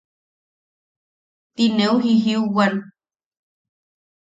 Ti neu jijiuwan: